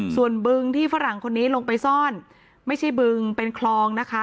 ส่วนบึงที่ฝรั่งคนนี้ลงไปซ่อนไม่ใช่บึงเป็นคลองนะคะ